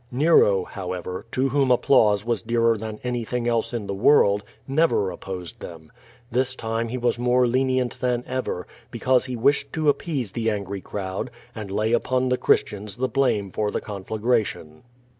Nero, however, to whom applause; was dearer than anything else in the world, never opposed them. This time he was more lenient than ever, because he wished to appease the angry crowd and lay upon the Christians the blame for the conflagration.